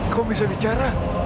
kau bisa bicara